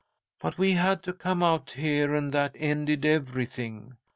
"But we had to come out here, and that ended everything.